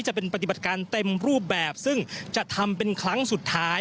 จะเป็นปฏิบัติการเต็มรูปแบบซึ่งจะทำเป็นครั้งสุดท้าย